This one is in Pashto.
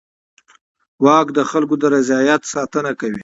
واک د خلکو د رضایت ساتنه کوي.